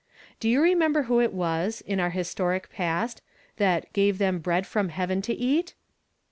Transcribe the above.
Do you rcnienib(;r who it was, in our historic past, that 'Olive them bread from heaven to eat'?